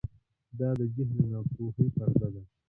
دا د جهل او ناپوهۍ پرده ده.